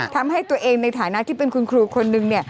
ทำให้ตัวเองในฐานะที่เป็นคุณครูคนนึงเนี่ย